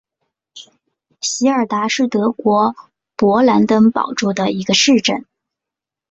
席尔达是德国勃兰登堡州的一个市镇。